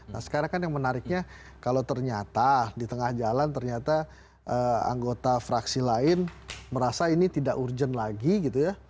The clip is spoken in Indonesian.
nah sekarang kan yang menariknya kalau ternyata di tengah jalan ternyata anggota fraksi lain merasa ini tidak urgent lagi gitu ya